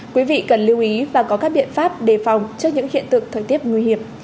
quý vị cần lưu ý và có các biện pháp đề phòng trước những hiện tượng thời tiết nguy hiểm